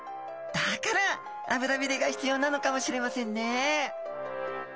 だから脂びれが必要なのかもしれませんね。